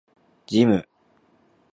ジム